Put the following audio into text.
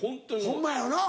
ホンマやよな。